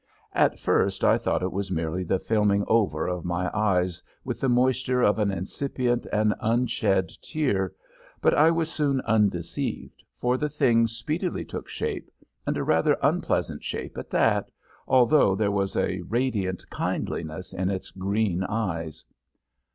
At first I thought it was merely the filming over of my eyes with the moisture of an incipient and unshed tear, but I was soon undeceived, for the thing speedily took shape, and a rather unpleasant shape at that, although there was a radiant kindliness in its green eyes.